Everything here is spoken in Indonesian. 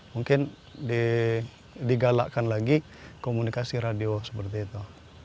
mungkin digalakkan lagi komunikasi radio seperti itu